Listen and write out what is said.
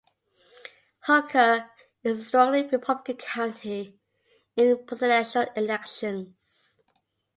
Hooker is a strongly Republican county in presidential elections.